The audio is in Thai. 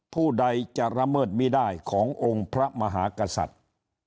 ผู้ใดจะละเมิดไม่ได้ขององค์พระมหากษัตริย์